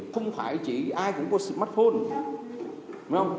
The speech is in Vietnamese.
không phải chỉ ai cũng có smartphone